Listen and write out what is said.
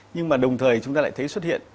nhưng mà đồng thời chúng ta lại thấy xuất hiện